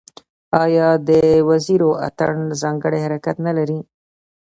آیا د وزیرو اتن ځانګړی حرکت نلري؟